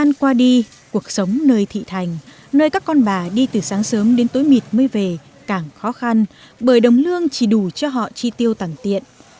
nơi thị thành nơi các con bà đi từ sáng sớm đến tối mịt mới về càng khó khăn bởi đồng lương chỉ đủ cho họ tri tiêu tẳng tiện